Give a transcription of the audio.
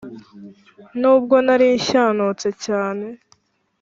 Nubwo narinshyanutse cyane